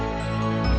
wanita seperti kau nilam